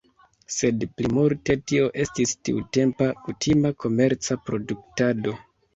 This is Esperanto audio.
Sed plimulte tio estis tiutempa kutima komerca produktado.